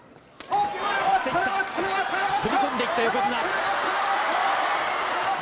踏み込んでいった横綱。